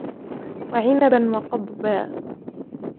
وَعِنَبًا وَقَضْبًا